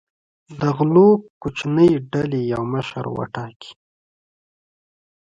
د غلو کوچنۍ ډلې یو مشر وټاکي.